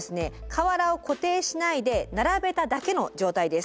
瓦を固定しないで並べただけの状態です。